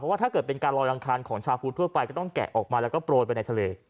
ว่าถ้าเกิดเป็นการลอยอังคารของชาวพุทธทั่วไปก็ต้องแกะออกมาแล้วก็โปรยไปในทะเล